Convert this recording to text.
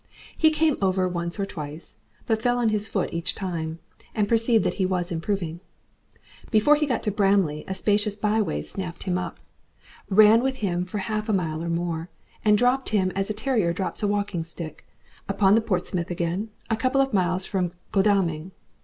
He came over once or twice, but fell on his foot each time, and perceived that he was improving. Before he got to Bramley a specious byway snapped him up, ran with him for half a mile or more, and dropped him as a terrier drops a walkingstick, upon the Portsmouth again, a couple of miles from Godalming.